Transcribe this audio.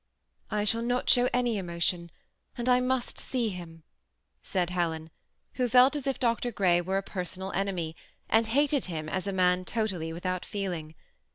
^ I shall not show any emotion, and I must see him," said Helen, who felt as if Dr. Grey were a personal enemy, and hated him as a man totally without feeling.